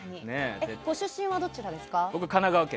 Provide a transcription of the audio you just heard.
ご出身はどちらですか？